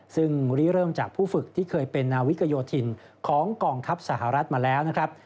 ซึ่งรีเริ่มจากผู้ฝึกที่เคยเป็นนาวิกโยธินของกองทัพสหรัฐมาแล้วนะครับ